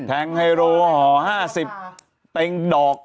แทงโฮลห่อ๕๐ปิ้งดอก